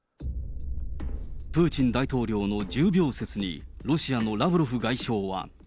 プーチン大統領の重病説にロシアのラブロフ外相は。